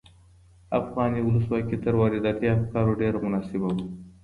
افغاني ولسواکي تر وارداتي افکارو ډېره مناسبه وه.